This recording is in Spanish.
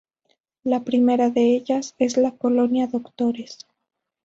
La primera de ellas es la Colonia Doctores.